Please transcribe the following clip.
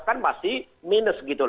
kan masih minus gitu loh